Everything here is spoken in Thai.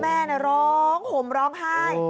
แม่ร้องห่มร้องไห้